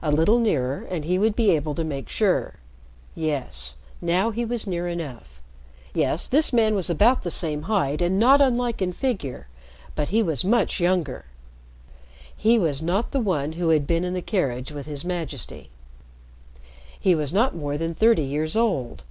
A little nearer, and he would be able to make sure. Yes, now he was near enough. Yes, this man was the same height and not unlike in figure, but he was much younger. He was not the one who had been in the carriage with His Majesty. He was not more than thirty years old.